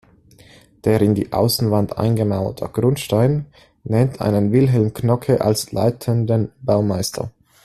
Der in die Außenwand eingemauerte Grundstein nennt einen Wilhelm Knoke als leitenden Baumeister.